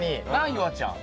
夕空ちゃん。